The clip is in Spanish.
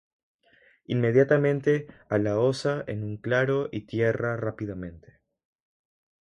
Inmediatamente a la osa en un claro y tierra rápidamente.